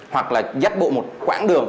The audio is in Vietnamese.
hoặc là giác bộ một quãng đường